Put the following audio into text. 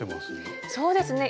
そうですね